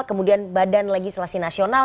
kemudian badan legislasi nasional